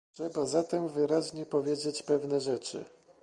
Trzeba zatem wyraźnie powiedzieć pewne rzeczy